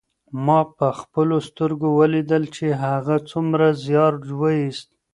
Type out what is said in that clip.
ما په خپلو سترګو ولیدل چې هغه څومره زیار ویوست.